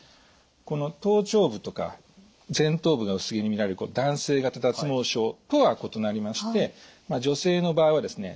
この頭頂部とか前頭部が薄毛にみられる男性型脱毛症とは異なりまして女性の場合はですね